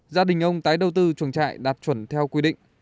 gia đình ông tái đầu tư chuồng trại đạt chuẩn theo quy định